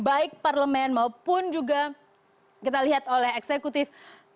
baik parlemen maupun juga kita lihat oleh eksekutif